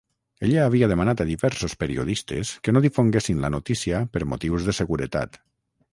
Ella havia demanat a diversos periodistes que no difonguessin la notícia per motius de seguretat.